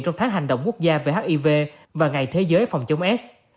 trong tháng hành động quốc gia về hiv và ngày thế giới phòng chống s